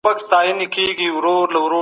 ټکنالوژي به د خلګو ژوند بدل کړي.